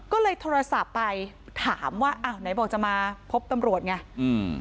ก็เลยโทรศัพท์ไปถามว่าอ้าวไหนบอกจะมาพบตำรวจไงอืม